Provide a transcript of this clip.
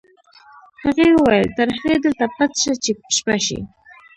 هغې وویل تر هغې دلته پټ شه چې شپه شي